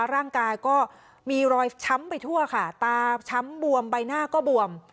ร่างกายก็มีรอยช้ำไปทั่วค่ะตาช้ำบวมใบหน้าก็บวม